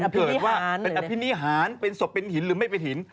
เกิดว่าเป็นอภินิหารเป็นศพเป็นหินหรือไม่เป็นหิน